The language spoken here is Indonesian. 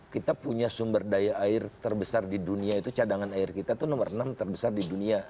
kita punya sumber daya air terbesar di dunia itu cadangan air kita itu nomor enam terbesar di dunia